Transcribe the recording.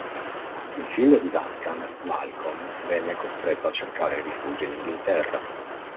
Il figlio di Duncan, Malcolm venne costretto a cercare rifugio in Inghilterra.